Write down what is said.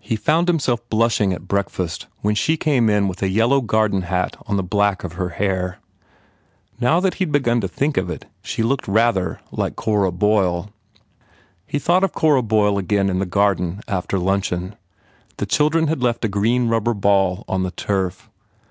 He found himself blushing at breakfast when she came in with a yellow garden hat on the black of her hair. Now that he d begun to think of it she looked rather like Cora Boyle. He thought of Cora Boyle again in the garden after luncheon. The children had left a green rubber ball on the turf.